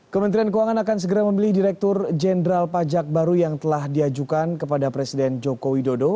kementerian keuangan akan segera memilih direktur jenderal pajak baru yang telah diajukan kepada presiden joko widodo